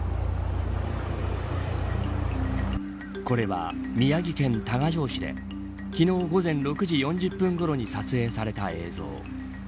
これは宮城県多賀城市で昨日午前６時４０分ごろに撮影された映像。